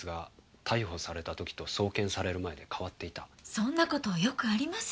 そんな事よくあります。